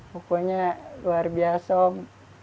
pokoknya luar biasa om